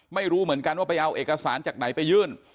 ไม่รู้เหมือนกันว่าไปเอาเอกสารจากไหนไปยื่น